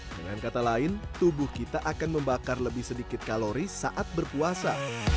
dengan kata lain tubuh kita akan membakar lebih sedikit kalori saat berpuasa